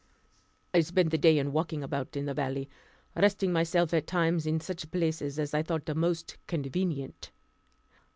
I spent the day in walking about in the valley, resting myself at times in such places as I thought most convenient.